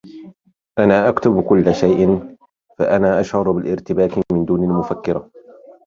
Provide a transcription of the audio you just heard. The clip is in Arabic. أنا أكتب كل شئ؛ فأنا أشعر بالإرتباك من دون المفكرة.